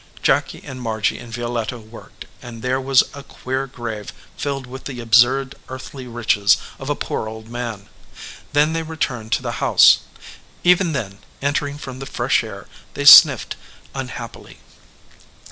Jacky and Margy and Violetta worked, and there was a queer grave filled with the absurd earthly riches of a poor old man. Then they returned to the house. Even then, entering from the fresh air, they sniffed unhappily.